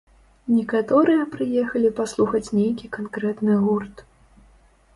Некаторыя прыехалі паслухаць нейкі канкрэтны гурт.